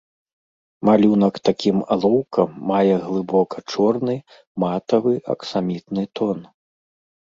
Малюнак такім алоўкам мае глыбока чорны, матавы, аксамітны тон.